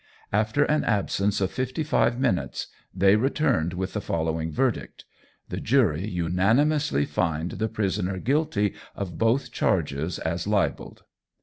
After an absence of fifty five minutes they returned with the following verdict "The jury unanimously find the prisoner guilty of both charges as libelled."